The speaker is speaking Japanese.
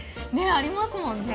ありますもんね。